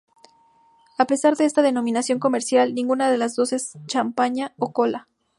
A pesar de esta denominación comercial, ninguna de las dos es champaña o cola.